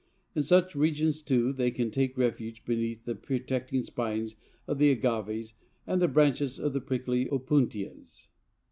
In such regions, too, they can take refuge beneath the protecting spines of the Agaves and the branches of the prickly Opuntias.